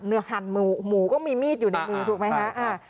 เนื้อหั่นหมูหมูก็มีมีดอยู่ในมือถูกไหมครับ